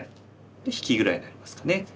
で引きぐらいになりますかね。